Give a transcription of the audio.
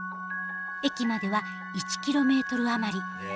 駅までは１キロメートル余り。